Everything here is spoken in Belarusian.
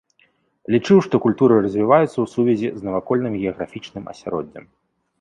Лічыў, што культуры развіваюцца ў сувязі з навакольным геаграфічным асяроддзем.